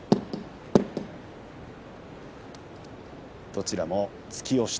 どちらも突き押し。